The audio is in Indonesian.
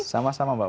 sama sama mbak bunga